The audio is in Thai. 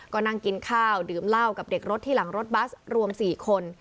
ก็นั่งกินข้าวดื่มเหล้ากับเด็กรถที่หลังรถบัสรวม๔คน